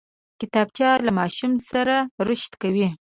کتابچه له ماشوم سره رشد کوي